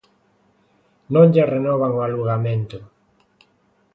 Non lle renovan o alugamento.